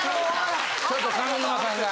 ちょっと上沼さんが。